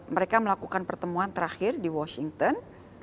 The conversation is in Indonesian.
mereka melakukan pertemuan terakhir di washington